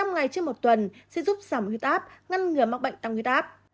năm ngày trên một tuần sẽ giúp giảm nguyết áp ngăn ngừa mắc bệnh tăng nguyết áp